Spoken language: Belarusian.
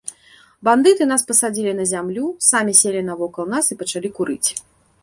Бандыты нас пасадзілі на зямлю, самі селі навокал нас і пачалі курыць.